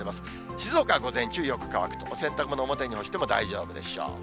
静岡は午前中、よく乾くと、お洗濯物、表に干しても大丈夫でしょう。